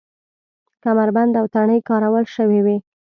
کمربند او تڼۍ کارول شوې وې.